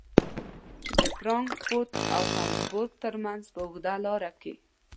د فرانکفورت او هامبورګ ترمنځ په اوږده لاره کې.